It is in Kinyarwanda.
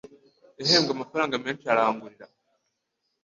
wahembwe amafaranga menshi urangurira